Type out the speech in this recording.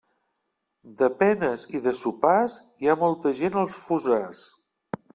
De penes i de sopars, hi ha molta gent als fossars.